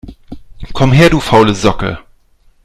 Komm her, du faule Socke